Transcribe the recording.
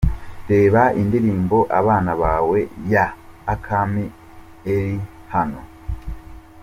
Reba Indirimbo Abana Bawe ya Akami Eli hano:.